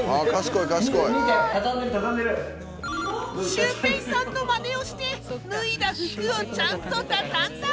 シュウペイさんのマネをして脱いだ服をちゃんと畳んだ！